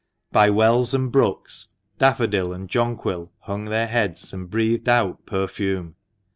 By wells and brooks, daffodil and jonquil hung their heads and breathed out perfume.